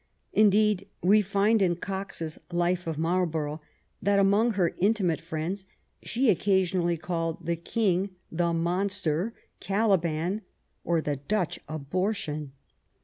Indeed, we find in Coxe's Life of Marlborough that among her intimate friends she occasionally called the King the Monster, Caliban, or the Dutch Abortion.